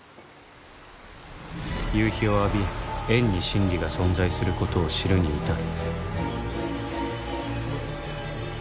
「夕陽を浴び円に真理が存在する事を知るに至る」